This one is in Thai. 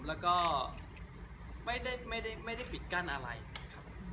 แล้วก็ไม่ได้ปิดกั้นอะไรครับ